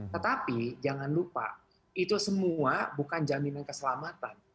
tetapi jangan lupa itu semua bukan jaminan keselamatan